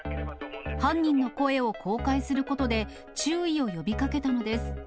犯人の声を公開することで、注意を呼びかけたのです。